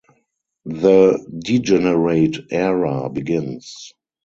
The Degenerate Era begins.